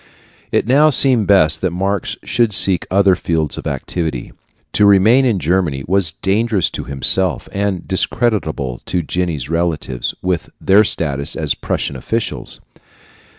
It now seemed best that Marx should seek other fields of activity. To remain in Germany was dangerous to himself and discreditable to Jenny's relatives, with their status as Prussian officials.